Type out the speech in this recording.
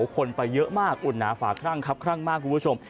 คนไปเยอะมากอุ่นหนาฝาครั่งครับครั่งมากคุณผู้ชม